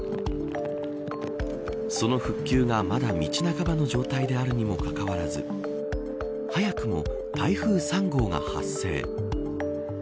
その復旧がまだ道半ばの状態であるにもかかわらず早くも台風３号が発生。